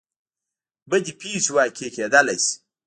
بدې پېښې واقع کېدلی شي.